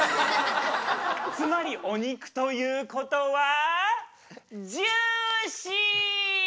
つまりお肉ということはジューシー！